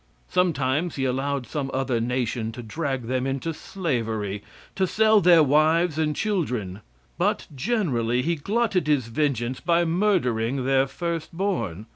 Sometimes he allowed some other nation to drag them into slavery to sell their wives and children; but generally he glutted his vengeance by murdering their first born.